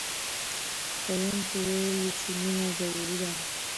ښوونکي وویل چې مینه ضروري ده.